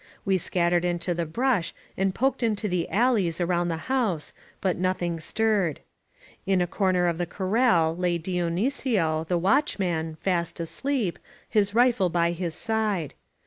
We scattered into the brush and poked into the alleys around the house, but nothing stirred. In a corner of the corral lay Dionysio, the watchman, fast asleep, his rifle by his side.